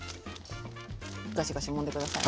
ガシガシもんで下さいね。